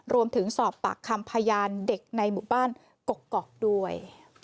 รวมถึงสอบปากคำพยานเด็กในหมู่บ้านกกอกด้วย